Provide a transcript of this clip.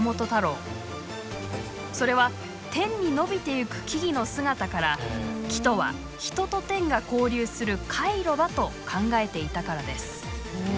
それは天に伸びてゆく木々の姿から「樹とは人と天が交流する回路だ」と考えていたからです。